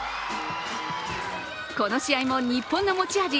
この試合も日本の持ち味